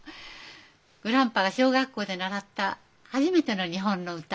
グランパが小学校で習った初めての日本の歌。